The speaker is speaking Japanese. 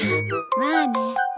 まあね。